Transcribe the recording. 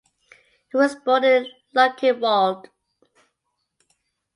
He was born in Luckenwalde.